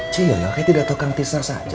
cik yoyoknya tidak tau kang tisna saja